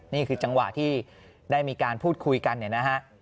นี่คือจังหวะที่ได้มีการพูดคุยกัน